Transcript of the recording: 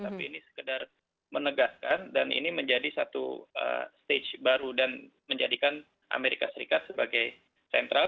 tapi ini sekedar menegaskan dan ini menjadi satu stage baru dan menjadikan amerika serikat sebagai sentral